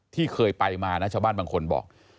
ที่เคยไปมานะชาวบ้านบางคนบอก